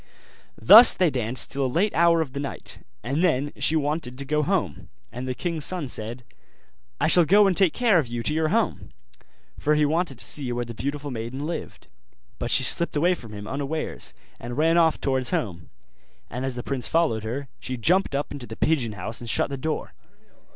Thus they danced till a late hour of the night; and then she wanted to go home: and the king's son said, 'I shall go and take care of you to your home'; for he wanted to see where the beautiful maiden lived. But she slipped away from him, unawares, and ran off towards home; and as the prince followed her, she jumped up into the pigeon house and shut the door.